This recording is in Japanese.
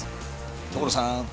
所さん！